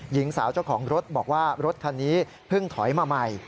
หญิงสาวเจ้าของรถบอกว่ารถคันนี้เพิ่งถอยมาใหม่